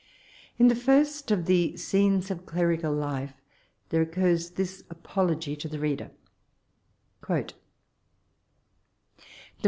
In the first of the Scenes qf * Clerical Life there occurs this apo logy to the reader :— '^The Eev.